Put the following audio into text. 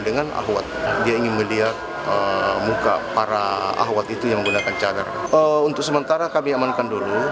dengan ahwad game media esta muka para ahwad itu yang gua maka auch untuk sementara kami amankan dulu